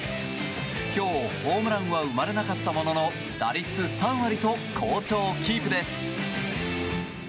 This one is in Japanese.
今日、ホームランは生まれなかったものの打率３割と好調キープです。